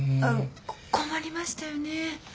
困りましたよね。